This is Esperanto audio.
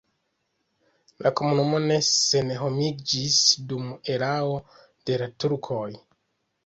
La komunumo ne senhomiĝis dum erao de la turkoj.